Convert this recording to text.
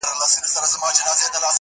ورکړې یې بوسه نه ده وعده یې د بوسې ده,